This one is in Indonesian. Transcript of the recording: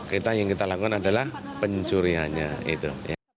kita yang kita lakukan adalah pencuriannya itu